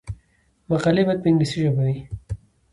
مقالې باید په انګلیسي ژبه وي.